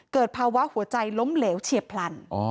เกิดภาวะหัวใจล้มเหลวเฉียบพลัน